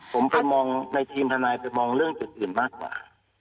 ผมผลมองหน่ายทีมถ้านายสำวงเรื่องจุดอื่นมากกว่า